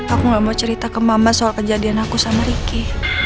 aku gak mau cerita ke mama soal kejadian aku sama ricky